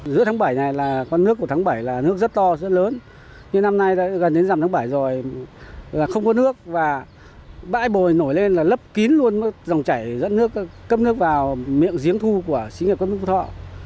giữa tháng bảy này là con nước của tháng bảy là nước rất to rất lớn nhưng năm nay gần đến dằm tháng bảy rồi là không có nước và bãi bồi nổi lên là lấp kín luôn dòng chảy dẫn nước cấp nước vào miệng giếng thu của xí nghiệp cấp nước phú thọ